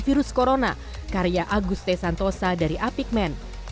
virus corona karya aguste santosa dari apikmen